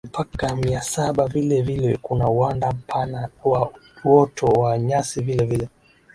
mpaka Mia saba Vile vile kuna uwanda mpana wa uoto wa nyasi Vile vile